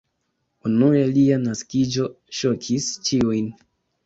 Unue lia naskiĝo ŝokis ĉiujn.